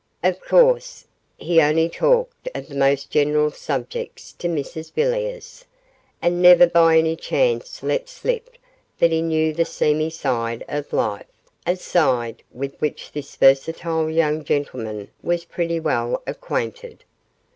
Of course, he only talked of the most general subjects to Mrs Villiers, and never by any chance let slip that he knew the seamy side of life a side with which this versatile young gentleman was pretty well acquainted.